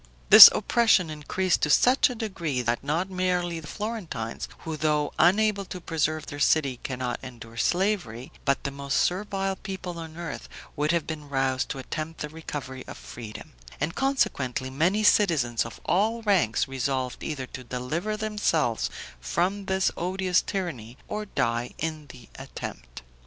This oppression increased to such a degree, that not merely the Florentines, who though unable to preserve their liberty cannot endure slavery, but the most servile people on earth would have been roused to attempt the recovery of freedom; and consequently many citizens of all ranks resolved either to deliver themselves from this odious tyranny or die in the attempt.